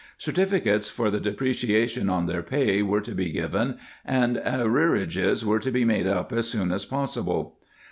Certificates for the depreciation on their pay were to be given, and arrearages were to be made up as soon as possible.